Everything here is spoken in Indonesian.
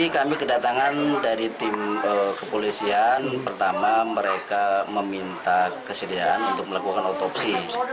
kami kedatangan dari tim kepolisian pertama mereka meminta kesediaan untuk melakukan otopsi